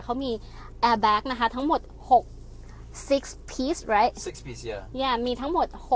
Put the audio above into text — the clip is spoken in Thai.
เขามีแอร์แบคนะคะทั้งหมด๖ชิ้น